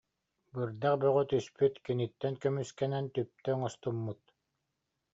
Бырдах бөҕө түспүт, киниттэн көмүскэнэн түптэ оҥостуммут